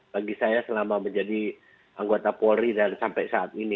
bagi saya selama menjadi anggota polri dan sampai saat ini